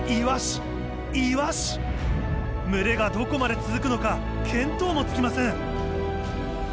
群れがどこまで続くのか見当もつきません。